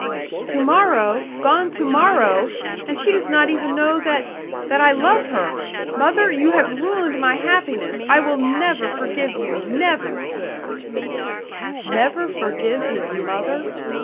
"To morrow! Gone to morrow! And she does not even know that that I love her. Mother, you have ruined my happiness. I will never forgive you never!" Never forgive his mother!